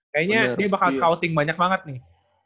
kayaknya dia bakal scouting banyak banget nih